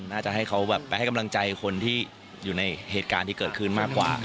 น่าจะให้เขาแบบไปให้กำลังใจคนที่อยู่ในเหตุการณ์ที่เกิดขึ้นมากกว่า